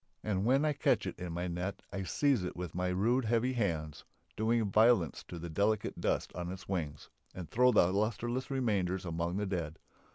And when I catch it in my net I seize it with my rude heavy hands, doing violence to the delicate dust on its wings, and throw the lusterless remainders among the dead.